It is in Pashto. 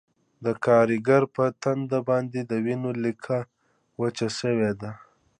د کارګر په ټنډه باندې د وینو لیکه وچه شوې وه